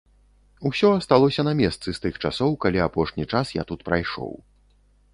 Усё асталося на месцы з тых часоў, калі апошні час я тут прайшоў.